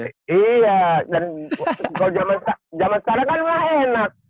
dan kalau zaman sekarang kan gak enak